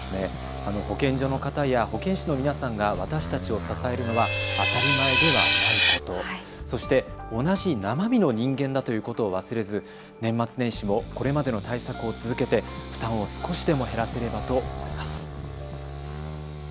保健所の方や保健師の皆さんが私たちを支えるのは当たり前ではないこと、そして同じ生身の人間だということを忘れず年末年始もこれまでの対策を続けて負担を少しでも減らせればと思います。